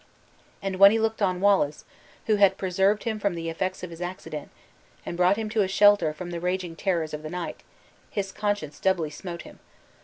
And when he looked on Wallace, who had preserved him from the effects of his accident, and brought him to a shelter from the raging terrors of the night, his conscience doubly smote him!